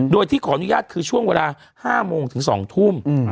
โดยที่ขออนุญาตคือช่วงเวลา๕โมงถึง๒ทุ่ม